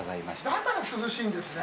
だから涼しいんですね。